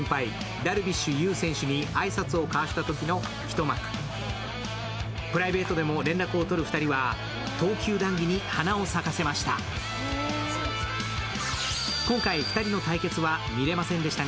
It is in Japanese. ダルビッシュ有選手にプライベートでも連絡を取る２人は投球談義に花を咲かせました。